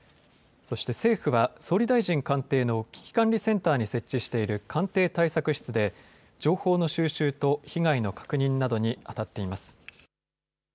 そして政府は総理大臣官邸の危機管理センターに設置している官邸対策室で情報の収集と被害の確認などにあたっています。